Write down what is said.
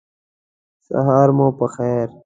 سهار مو په خیر !